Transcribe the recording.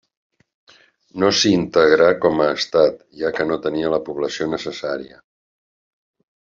No s'hi integrà com a estat, ja que no tenia la població necessària.